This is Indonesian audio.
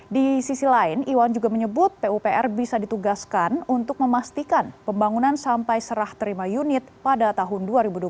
di sisi lain iwan juga menyebut pupr bisa ditugaskan untuk memastikan pembangunan sampai serah terima unit pada tahun dua ribu dua puluh